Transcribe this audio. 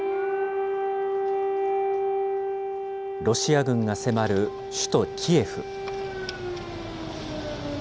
ロシア軍が迫る首都キエフ。